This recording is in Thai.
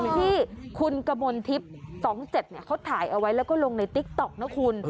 ที่คุณกมลทิพย์๒๗เขาถ่ายเอาไว้แล้วก็ลงในติ๊กต๊อกนะคุณ